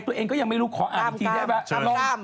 ตัวเองก็ยังไม่รู้ขออ้านกันทีใช่ไหม